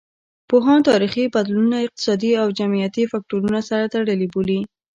پوهان تاریخي بدلونونه اقتصادي او جمعیتي فکتورونو سره تړلي بولي.